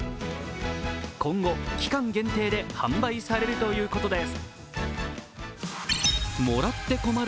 今後、期間限定で販売されるということです。